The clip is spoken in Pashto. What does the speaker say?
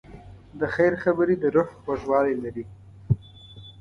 د خیر خبرې د روح خوږوالی لري.